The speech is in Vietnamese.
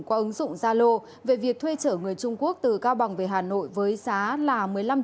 qua ứng dụng zalo về việc thuê trở người trung quốc từ cao bằng về hà nội với giá